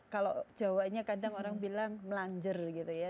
kalau jawanya kadang orang bilang melanjer gitu ya